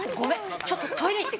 ちょっとトイレ行ってくるね。